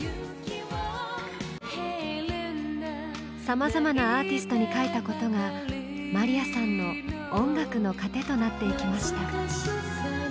さまざまなアーティストに書いたことがまりやさんの「音楽の糧」となっていきました。